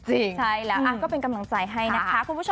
ใช่แล้วก็เป็นกำลังใจให้นะคะ